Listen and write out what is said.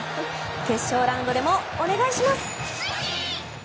決勝ラウンドでもお願いします！